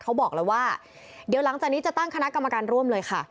เขาบอกแล้วว่าเดี๋ยวหลังจากนี้จะตั้งคณะกรรมการร่วมเลยค่ะ